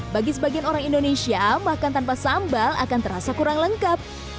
bagi sebagian orang indonesia makan tanpa sambal akan terasa kurang lengkap